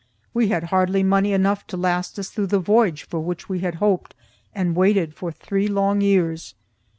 We had hardly money enough to last us through the voyage for which we had hoped and waited for three long years.